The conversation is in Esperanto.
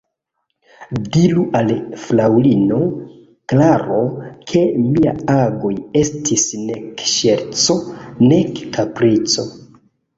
Diru al fraŭlino Klaro, ke miaj agoj estis nek ŝerco, nek kaprico.